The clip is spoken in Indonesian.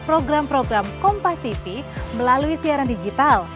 saksikan program kompastv melalui siaran digital